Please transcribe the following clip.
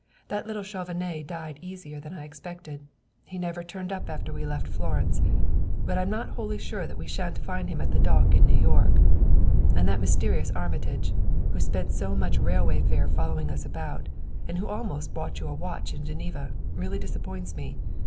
That little Chauvenet died easier than I had expected. He never turned up after we left Florence, but I'm not wholly sure that we shan't find him at the dock in New York. And that mysterious Armitage, who spent so much railway fare following us about, and who almost bought you a watch in Geneva, really disappoints me.